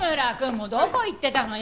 もうどこ行ってたのよ！？